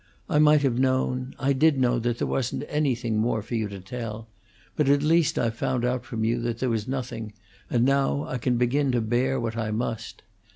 "I might have known I did know that there wasn't anything more for you to tell. But at least I've found out from you that there was nothing, and now I can begin to bear what I must.